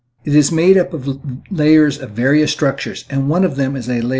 It is made up of layers of various structures, and one of them is a layer / I